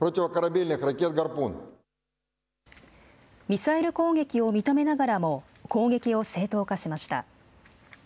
ミサイル攻撃を認めながらも、攻撃を正当化しました。